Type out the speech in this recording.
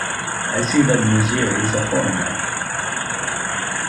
I see that Monsieur is a foreigner.